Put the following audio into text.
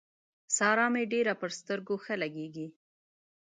سارا مې ډېره پر سترګو ښه لګېږي.